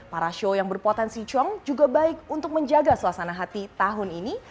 para show yang berpotensi cong juga baik untuk menjaga suasana hati tahun ini